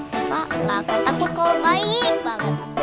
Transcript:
bravo gak takut kalau baik banget